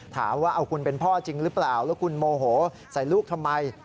ถามว่าเอาคุณเป็นพ่อจริงหรือเปล่าแล้วคุณโมโหใส่ลูกทำไม